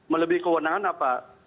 melebihi kewenangan apa